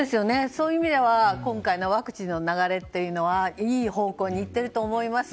そういう意味では今回のワクチンの流れはいい方向に行っていると思います。